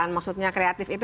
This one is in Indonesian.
maksudnya kreatif itu